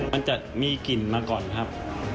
มันจะมีกลิ่นมาก่อนครับ